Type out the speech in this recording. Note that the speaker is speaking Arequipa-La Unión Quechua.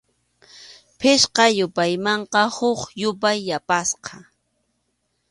Pichqa yupaymanqa huk yupay yapasqam.